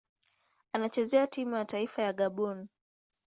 Anachezea timu ya taifa ya Gabon.